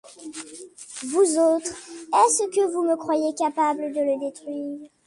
Vous autres, est-ce que vous me croyez capable de le détruire?